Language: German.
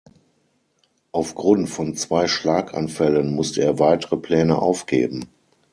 Aufgrund von zwei Schlaganfällen musste er weitere Pläne aufgeben.